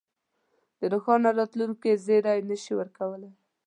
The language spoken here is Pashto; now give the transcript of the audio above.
د روښانه راتلونکې زېری نه شي ورکولای.